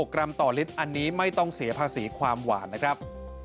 กรัมต่อลิตรอันนี้ไม่ต้องเสียภาษีความหวานนะครับ